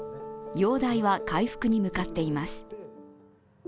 容体は回復に向かっています。